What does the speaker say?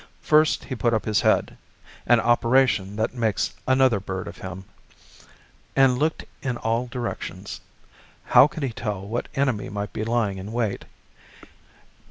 First he put up his head an operation that makes another bird of him and looked in all directions. How could he tell what enemy might be lying in wait?